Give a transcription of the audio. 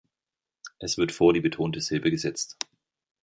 Es wird vor die betonte Silbe gesetzt.